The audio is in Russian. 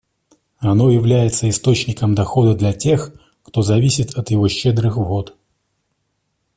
Оно является источником дохода для тех, кто зависит от его щедрых вод.